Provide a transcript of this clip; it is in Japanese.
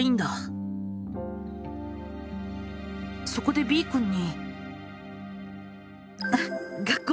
そこでＢくんに。